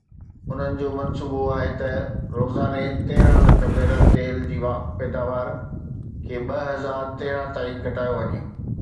انهن جو منصوبو آهي ته روزاني تيرهن لک بيرل تيل جي پيداوار کي ٻه هزار تيرنهن تائين گهٽايو وڃي.